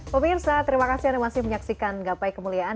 pemirsa terima kasih anda masih menyaksikan gapai kemuliaan